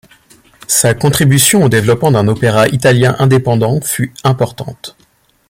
Sa contribution au développement d'un opéra italien indépendant fut importante.